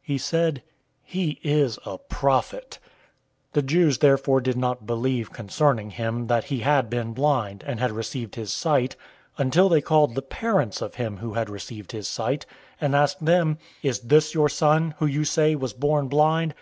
He said, "He is a prophet." 009:018 The Jews therefore did not believe concerning him, that he had been blind, and had received his sight, until they called the parents of him who had received his sight, 009:019 and asked them, "Is this your son, who you say was born blind?